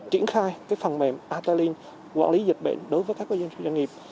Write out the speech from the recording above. triển khai phần mềm ata lin quản lý dịch bệnh đối với các doanh nghiệp